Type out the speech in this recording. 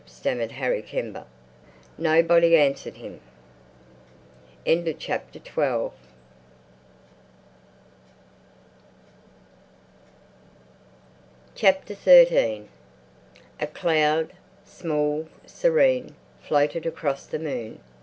stammered Harry Kember. Nobody answered him. A cloud, small, serene, floated across the moon.